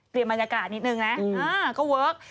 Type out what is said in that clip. เตรียมบรรยากาศนิดหนึ่งนะก็เวิร์ก